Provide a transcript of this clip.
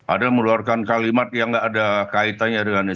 ada yang mengeluarkan kalimat yang tidak ada kaitannya dengan ini